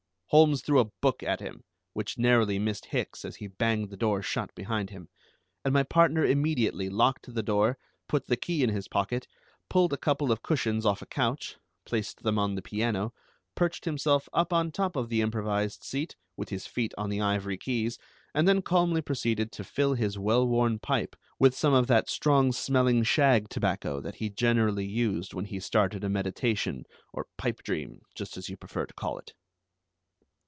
Holmes threw a book at him, which narrowly missed Hicks as he banged the door shut behind him, and my partner immediately locked the door, put the key in his pocket, pulled a couple of cushions off a couch, placed them on the piano, perched himself up on top of the improvised seat, with his feet on the ivory keys, and then calmly proceeded to fill his well worn pipe with some of that strong smelling shag tobacco that he generally used when he started a meditation, or pipe dream, just as you prefer to call it.